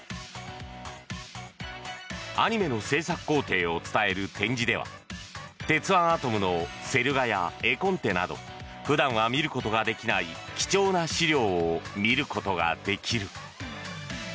アニメの制作工程を伝える展示では「鉄腕アトム」のセル画や絵コンテなど普段は見ることができない貴重な資料を見ることができる。